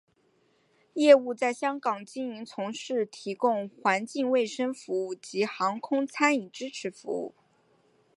业务在香港经营从事提供环境卫生服务及航空餐饮支持服务。